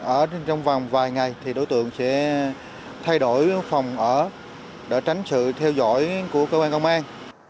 ở trong vòng vài ngày thì đối tượng sẽ thay đổi phòng ở để tránh sự theo dõi của cơ quan công an